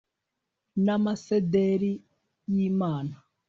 N amasederi y Imana